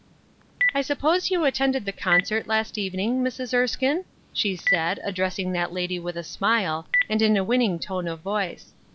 " I suppose you attended the concert, last evening, Mrs. Erskine ?" she said, addressing that lady with a smile, and in a winning tone of voice.